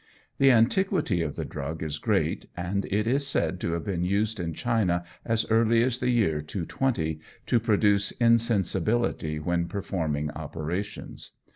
The antiquity of the drug is great, and it is said to have been used in China as early as the year 220, to produce insensibility when performing operations.